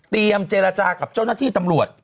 เตรียมเจลจากรับเจ้าหน้าทีตำรวจ